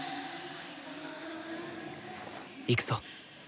行くぞ。